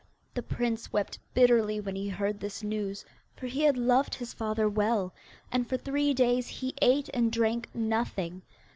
The prince wept bitterly when he heard this news, for he had loved his father well, and for three days he ate and drank nothing.